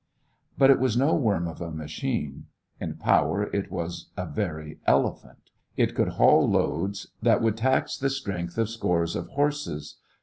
But it was no worm of a machine. In power it was a very elephant. It could haul loads that would tax the strength of scores of horses.